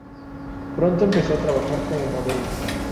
Pronto empezó a trabajar como modelo.